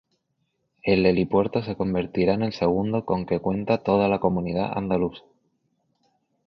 El helipuerto se convertirá en el segundo con que cuenta toda la comunidad andaluza.